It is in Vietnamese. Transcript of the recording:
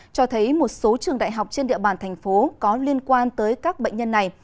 cho thấy một số trường đại học trên địa bàn thành phố có liên quan tới các bệnh nhân này